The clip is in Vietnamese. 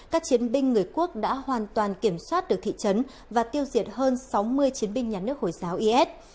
các chiến binh người quốc đã hoàn toàn kiểm soát được thị trấn và tiêu diệt hơn sáu mươi chiến binh nhà nước hồi giáo is